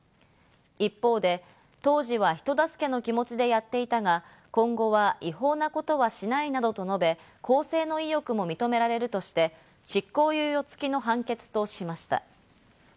一方で、当時は人助けの気持ちでやっていたが、今後は違法なことはしないなどと述べ、更生の意欲を認められるとして、執行猶予付きの判決としました。